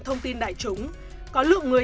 thông tin đại chúng có lượng người